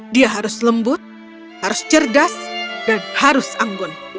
dia harus lembut harus cerdas dan harus anggun